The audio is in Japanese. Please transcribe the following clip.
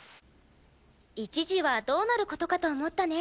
一時はどうなる事かと思ったね。